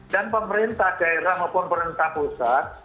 dan pemerintah daerah maupun pemerintah pusat